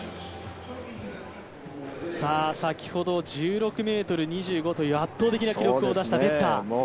先ほど１６ｍ２５という圧倒的な記録を出したベッター。